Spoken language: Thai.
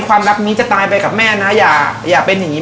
ความรักนี้จะตายไปกับแม่นะอย่าเป็นอย่างนี้